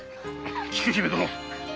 菊姫殿！